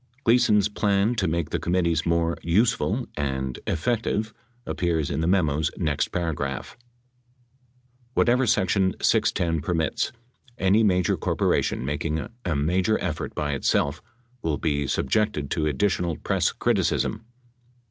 Gleason's plan to make the committees more "useful" and "effective" appears in the memo's next paragraph : Whatever section 610 permits, any major corporation mak ing a major effort by itself will be subjected to additional press criticism.